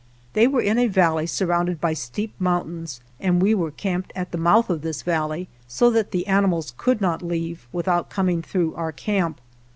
They were in a valley sur rounded by steep mountains, and we were camped at the mouth of this valley so that the animals could not leave without coming through our camp.